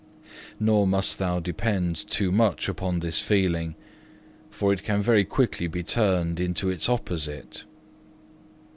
Nor must thou depend too much upon this feeling, for it can very quickly be turned into its opposite.